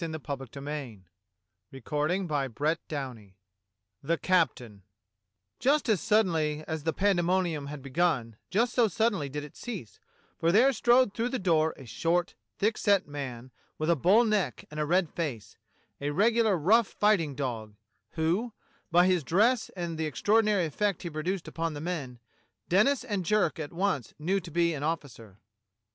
Yes, the King's men had come to Dymchurch. CHAPTER IV THE CAPTAIN JUST as suddenly as the pandemonium had begun, just so suddenly did it cease, for there strode through the door a short, thick set man, with a bull neck and a red face, a regular rough fighting dog, who, by his dress and the extraordinary effect he pro duced upon the men, Denis and Jerk at once knew to be an officer.